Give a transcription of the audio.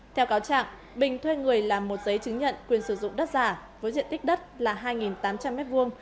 theo cáo trạng bình thuê người làm một giấy chứng nhận quyền sử dụng đất giả với diện tích đất là hai tám trăm linh m hai